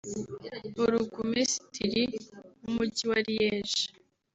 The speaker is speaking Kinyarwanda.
Burugumesitiri w’umujyi wa Liège